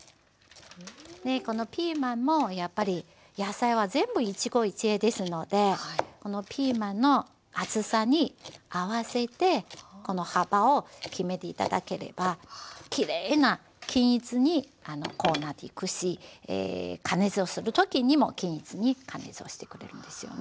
このピーマンもやっぱり野菜は全部一期一会ですのでピーマンの厚さに合わせてこの幅を決めて頂ければきれいな均一にこうなっていくし加熱をする時にも均一に加熱をしてくれるんですよね。